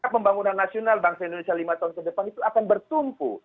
pembangunan nasional bangsa indonesia lima tahun ke depan itu akan bertumpu